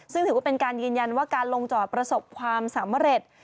ซึ่งถือว่าเป็นการยืนยันว่าการลงจอดประสบความสำเร็จ